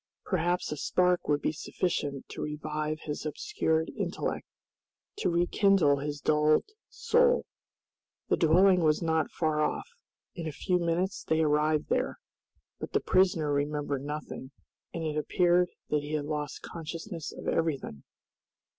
Perhaps a spark would be sufficient to revive his obscured intellect, to rekindle his dulled soul. The dwelling was not far off. In a few minutes they arrived there, but the prisoner remembered nothing, and it appeared that he had lost consciousness of everything.